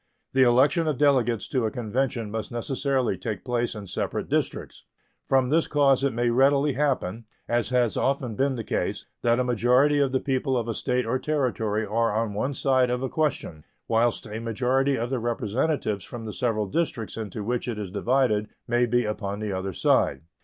The election of delegates to a convention must necessarily take place in separate districts. From this cause it may readily happen, as has often been the case, that a majority of the people of a State or Territory are on one side of a question, whilst a majority of the representatives from the several districts into which it is divided may be upon the other side.